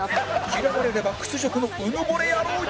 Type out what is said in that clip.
嫌われれば屈辱のうぬぼれ野郎に